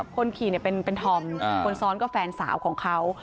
คนขี่เป็นธอมคนซ้อนก็แฟนสาวของเขา